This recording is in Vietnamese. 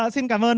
xin cảm ơn